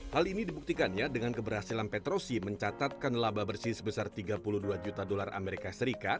hal ini dibuktikannya dengan keberhasilan petrosi mencatatkan laba bersih sebesar tiga puluh dua juta dolar as